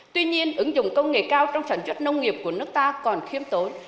tuy nhiên ứng dụng công nghệ cao trong sản xuất nông nghiệp của nước ta còn khiêm tốn